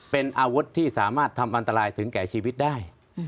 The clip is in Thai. เป็นอาวุธที่สามารถทำอันตรายถึงแก่ชีวิตได้